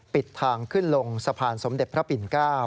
ปิดทางขึ้นลงสะพานสมเด็จพระปิ่น๙